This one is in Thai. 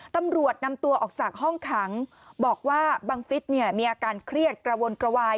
ตำรวจนำตัวออกจากห้องขังบอกว่าบังฟิศเนี่ยมีอาการเครียดกระวนกระวาย